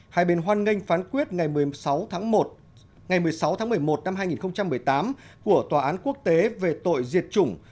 hai bên hoan nghênh phán quyết ngày một mươi sáu tháng một mươi một năm hai nghìn một mươi tám của tòa án quốc tế về tội diệt chủng